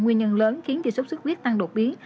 nguyên nhân lớn khiến sốt sốt khuyết tăng đột biến